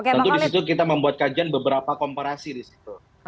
tentu di situ kita membuat kajian beberapa komparasi di situ